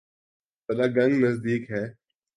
تلہ گنگ نزدیک ہے۔